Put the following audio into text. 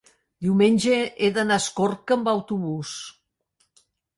Diumenge he d'anar a Escorca amb autobús.